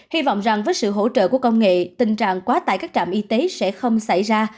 hy vọng rằng với sự hỗ trợ của công nghệ tình trạng quá tải các trạm y tế sẽ không xảy ra